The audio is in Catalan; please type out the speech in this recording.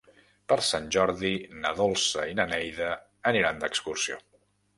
Per Sant Jordi na Dolça i na Neida aniran d'excursió.